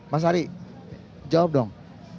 mas ari jawab dong